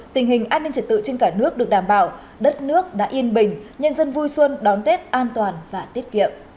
tình hình an ninh trật tự trên cả nước được đảm bảo đất nước đã yên bình nhân dân vui xuân đón tết an toàn và tiết kiệm